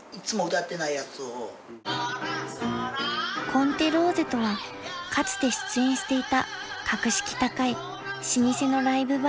［コンテ・ローゼとはかつて出演していた格式高い老舗のライブバーのこと］